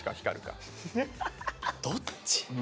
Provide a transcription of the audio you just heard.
どっち？